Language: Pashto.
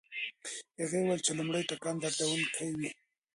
هغه وویل چې لومړی ټکان دردناک وي.